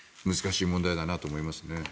難しい問題だなと思いますね。